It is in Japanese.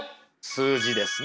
数字ですね